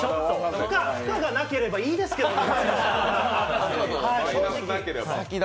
不可がなければいいですけどね。